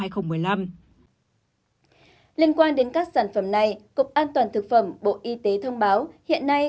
liên quan đến các sản phẩm này cục an toàn thực phẩm bộ y tế thông báo hiện nay